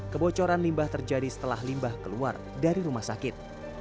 kebocoran limbah terjadi setelah limbah keluar dari rumah sakit